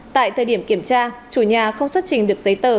tại thời điểm kiểm tra chủ nhà không xuất trình được giấy tờ